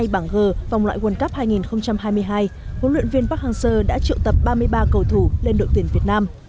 bảng g vòng loại quân cấp hai nghìn hai mươi hai hỗ luyện viên park hang seo đã triệu tập ba mươi ba cầu thủ lên đội tuyển việt nam